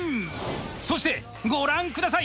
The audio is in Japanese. そしてご覧下さい。